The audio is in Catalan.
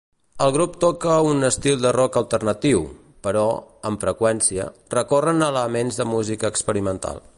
El grup toca un estil de rock alternatiu, però, amb freqüència, recorren a elements de música experimental.